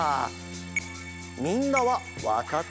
みんなはわかったかな？